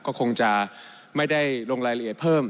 ก็คงจะไม่ได้ลงรายละเอียดเพิ่ม